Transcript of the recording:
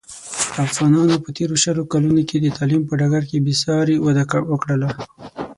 افغانانو په تېرو شلو کلونوکې د تعلیم په ډګر کې بې ساري وده وکړله.